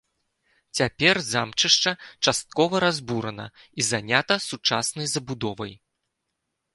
Цяпер замчышча часткова разбурана і занята сучаснай забудовай.